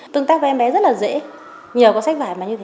tương tác với em bé rất là dễ nhờ có sách vải mà như thế